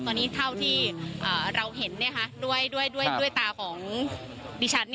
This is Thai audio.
ตอนนี้เท่าที่เราเห็นด้วยตาของดิฉัน